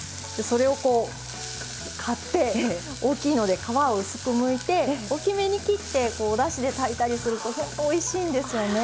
それをこう買って大きいので皮を薄くむいて大きめに切ってこうおだしで炊いたりするとほんとおいしいんですよね。